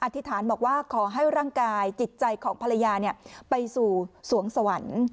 ธิษฐานบอกว่าขอให้ร่างกายจิตใจของภรรยาไปสู่สวงสวรรค์